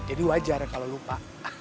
jadi wajar kalau lupa